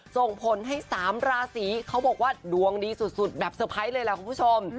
ส่งผลให้๓ราศีเขาบอกว่าดวงดีสุดแบบเตอร์ไพรส์เลยล่ะคุณผู้ชม